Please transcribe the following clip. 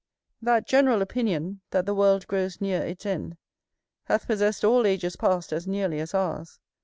That general opinion, that the world grows near its end, hath possessed all ages past as nearly as ours.